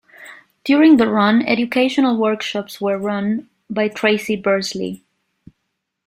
During the run educational workshops were run by Tracy Bersley.